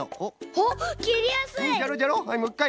あっきりやすい！